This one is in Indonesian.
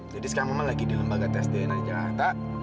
jadi sekarang mama lagi di lembaga tes dna di jakarta